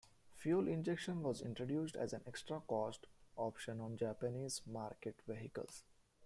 Fuel injection was introduced as an extra cost option on Japanese market vehicles.